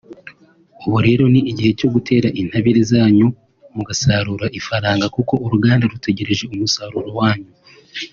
ubu rero ni igihe cyo gutera intabire zanyu mugasarura ifaranga kuko uruganda rutegereje umusaruro wanyu”